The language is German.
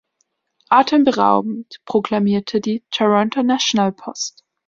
„Atemberaubend“, proklamierte die „Toronto National Post”.